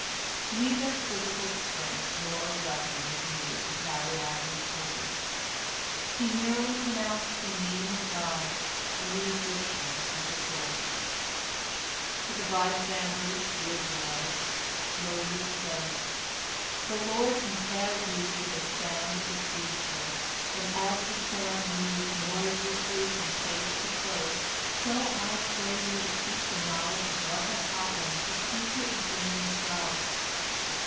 Neither physical strength nor a weapon was needed to carry out his purpose. He merely pronounced the Name of God, and the Egyptian was a corpse. To the bystanders, the Israelites, Moses said: "The Lord compared you unto the sand of the sea shore, and as the sand moves noiselessly from place to place, so I pray you to keep the knowledge of what hath happened a secret within yourselves.